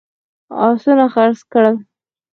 آسونه خرڅ کړل.